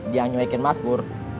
dia nyuekin mas pur